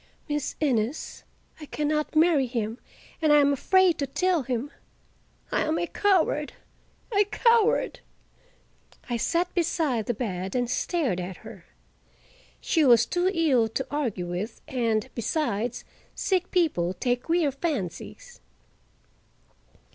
"Miss Innes, I can not marry him, and I am afraid to tell him. I am a coward—a coward!" I sat beside the bed and stared at her. She was too ill to argue with, and, besides, sick people take queer fancies.